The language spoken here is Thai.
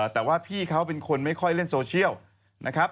แต่ว่าพี่เขาเป็นคนไม่ค่อยเล่นโซเชียลนะครับ